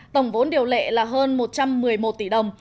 tổng vốn điều lệ là hơn một trăm một mươi một tỷ đồng